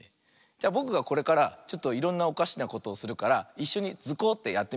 じゃぼくがこれからちょっといろんなおかしなことをするからいっしょに「ズコ！」ってやってみようか。